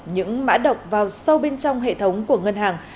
những mã độc vào sâu bên trong hệ thống của ngân hàng